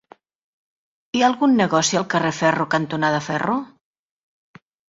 Hi ha algun negoci al carrer Ferro cantonada Ferro?